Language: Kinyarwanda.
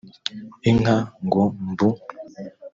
inka ngo mbu